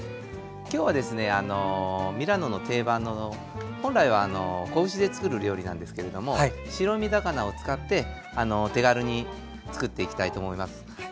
今日はですねミラノの定番の本来は仔牛でつくる料理なんですけれども白身魚を使ってお手軽につくっていきたいと思います。